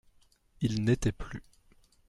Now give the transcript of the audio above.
Il n'était plus.